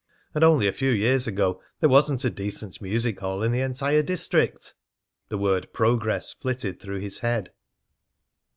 And only a few years ago there wasn't a decent music hall in the entire district!" The word "progress" flitted through his head.